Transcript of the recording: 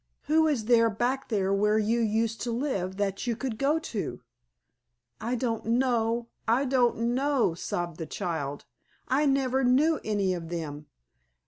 Who is there back there where you used to live that you could go to?" "I don't know, I don't know!" sobbed the child. "I never knew any of them.